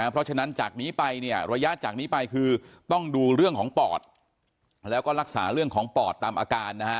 เพราะฉะนั้นระยะจากนี้ไปคือต้องดูเรื่องของปอดแล้วก็รักษาเรื่องของปอดตามอาการ